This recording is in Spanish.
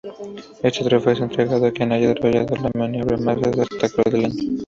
Este trofeo es entregado a quien haya desarrollado la maniobra más destacable del Año.